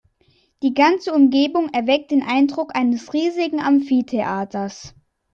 Die ganze Umgebung erweckt den Eindruck eines riesigen Amphitheaters.